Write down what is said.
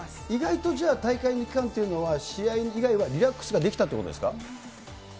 意外とじゃあ、大会の期間というのは、試合以外はリラックスができたっていうことですか。